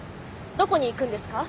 どこに行くんですか？